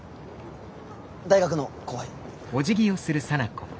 大学の後輩。